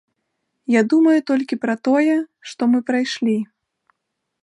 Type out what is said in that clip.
Я думаю толькі пра тое, што мы прайшлі.